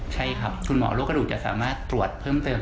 ใช่ครับคุณหมอโรคกระดูกจะสามารถตรวจเพิ่มเติม